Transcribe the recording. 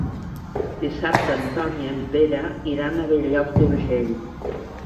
Dissabte en Ton i en Pere iran a Bell-lloc d'Urgell.